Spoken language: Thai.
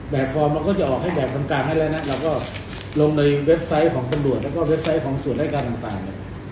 ฟอร์มเราก็จะออกให้แบบตรงกลางให้แล้วนะเราก็ลงในเว็บไซต์ของตำรวจแล้วก็เว็บไซต์ของส่วนรายการต่างเนี่ย